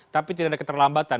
tapi tidak ada keterlambatan